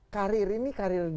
karir ini karir di kementerian